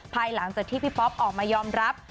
ภายหลังจากที่พี่ป๊อปออกมายอมรับ